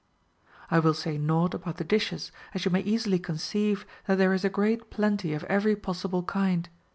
^ I will say nought about the dishes, as you may easily conceive that there is a great plenty of every possible kind.